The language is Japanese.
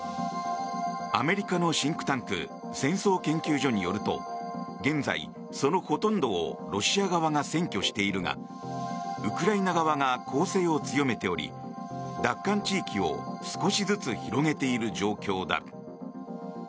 アメリカのシンクタンク戦争研究所によると現在、そのほとんどをロシア側が占拠しているがウクライナ側が攻勢を強めており奪還地域を少しずつ広げている状況だ。